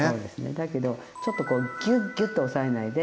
だけどちょっとこうギュッギュッと押さえないで。